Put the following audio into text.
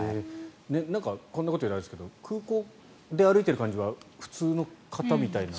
こんなこと言うのあれですけど空港で歩いている感じは普通の方みたいな。